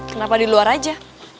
kenapa di luar aja